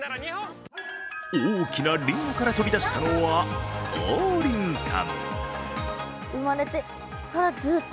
大きなりんごから飛び出したのは王林さん。